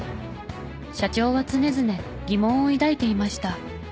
社長は常々疑問を抱いていました。